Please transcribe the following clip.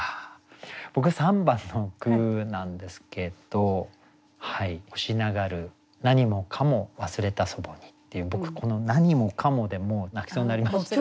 僕３番の句なんですけど「星流るなにもかも忘れた祖母に」っていう僕この「なにもかも」でもう泣きそうになりました。